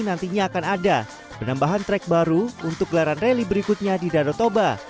nantinya akan ada penambahan track baru untuk gelaran rally berikutnya di danau toba